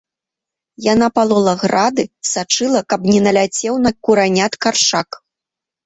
Яна палола грады, сачыла каб не наляцеў на куранят каршак.